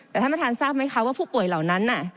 แต่ท่านประธานทราบไหมคะว่าผู้ป่วยเหล่านั้น